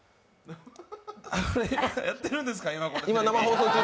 今これやってるんですか？